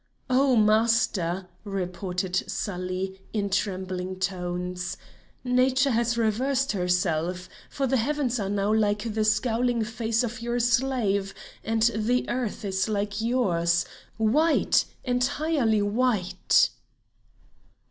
"Oh master!" reported Sali, in trembling tones, "Nature has reversed herself, for the heavens are now like the scowling face of your slave, and the earth is like yours, white, entirely white."